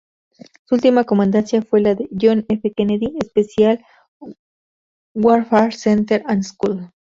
Su última comandancia fue la del "John F. Kennedy Special Warfare Center and School".